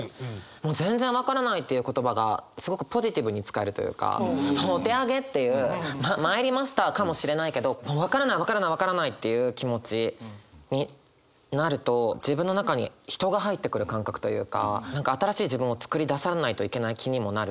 「もう全然わからない」っていう言葉がすごくポジティブに使えるというかもうお手上げっていう参りましたかもしれないけどもう分からない分からない分からないっていう気持ちになると自分の中に人が入ってくる感覚というか何か新しい自分を作り出さないといけない気にもなるし。